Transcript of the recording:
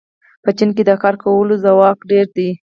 په چین کې د کار کولو ځواک ډېر دی.